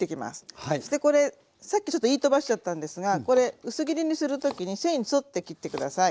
そしてこれさっきちょっと言い飛ばしちゃったんですがこれ薄切りにする時に繊維に沿って切って下さい。